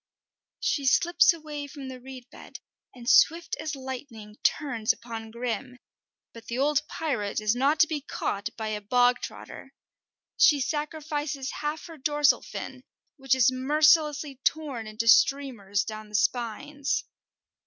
She slips away from the reed bed, and swift as lightning turns upon Grim, but the old pirate is not to be caught by a bog trotter. She sacrifices half her dorsal fin, which is mercilessly torn into streamers down the spines.